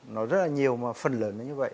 nó rất là nhiều mà phần lớn là như vậy